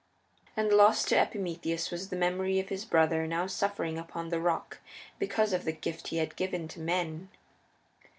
And lost to Epimetheus was the memory of his brother now suffering upon the rock because of the gift he had given to men.